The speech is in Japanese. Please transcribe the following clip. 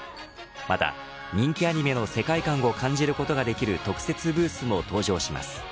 また人気アニメの世界観を感じることができる特設ブースも登場します。